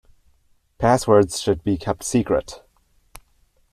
Passwords should be kept secret.